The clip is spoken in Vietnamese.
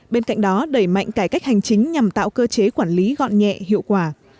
bên cạnh đó đẩy mạnh cải cách hành chính nhằm tạo cơ chế quản lý gọn nhẹ hiệu quả